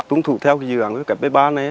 tuấn thủ theo dự án với cái bê ba này